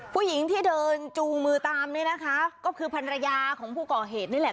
ผู้หญิงที่เดินจูงมือตามนี่นะคะก็คือภรรยาของผู้ก่อเหตุนี่แหละ